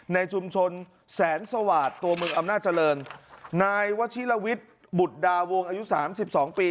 ในชุมชนแสนสวาสตัวเมืองอำนาจเจริญนายวชิลวิทย์บุตรดาวงอายุสามสิบสองปี